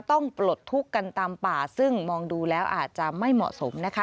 ปลดทุกข์กันตามป่าซึ่งมองดูแล้วอาจจะไม่เหมาะสมนะคะ